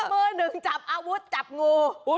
มือหนึ่งจับอาวุธจับงู